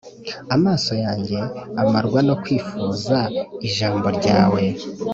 Amaso yanjye amarwa no kwifuza ijambo ryawe